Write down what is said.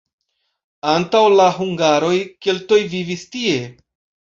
Antaŭ la hungaroj keltoj vivis tie.